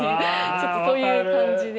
ちょっとそういう感じで。